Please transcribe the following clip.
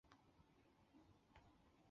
沟岸希蛛为球蛛科希蛛属的动物。